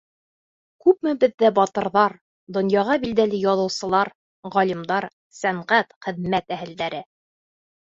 Күпме беҙҙә батырҙар, донъяға билдәле яҙыусылар, ғалимдар, сәнғәт, хеҙмәт әһелдәре!